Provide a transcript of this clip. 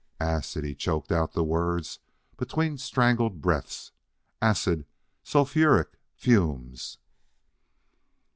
"Acid!" He choked out the words between strangled breaths. "Acid sulfuric fumes!"